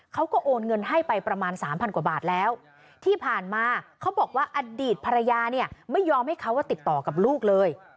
โอนเงินให้ไปประมาณสามพันกว่าบาทแล้วที่ผ่านมาเขาบอกว่าอดีตภรรยาเนี่ยไม่ยอมให้เขาติดต่อกับลูกเลย